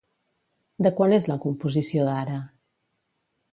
De quan és la composició d'ara?